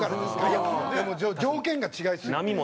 いや条件が違いすぎて。